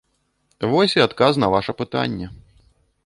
Вось і адказ на ваша пытанне.